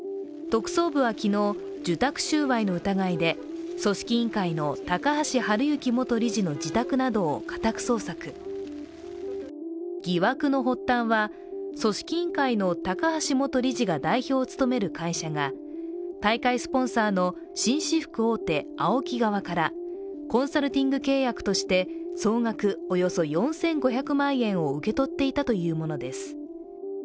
特捜部は昨日、受託収賄の疑いで、組織委員会の高橋治之元理事の自宅などを家宅捜索疑惑の発端は、組織委員会の高橋元理事が代表を務める会社が大会スポンサーの紳士服大手ＡＯＫＩ側からコンサルティング契約として、総額およそ４５００万円を受け取っていたというものです。